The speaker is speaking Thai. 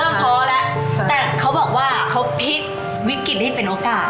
แต่เขาบอกว่าเขาพิษวิกฤตได้เป็นโอกาส